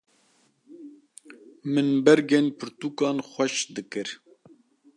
Min bergên pirtûkan xweş dikir.